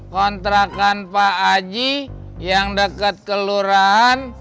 kontrakan pak aji yang dekat kelurahan